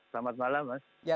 selamat malam mas